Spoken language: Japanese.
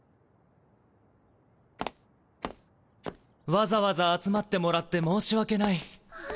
わざわざ集まってもらって申し訳ない。